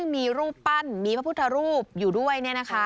มีรูปปั้นมีพระพุทธรูปอยู่ด้วย